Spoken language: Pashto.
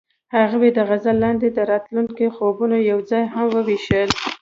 هغوی د غزل لاندې د راتلونکي خوبونه یوځای هم وویشل.